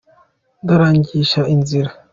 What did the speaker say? ndarangisha inzira.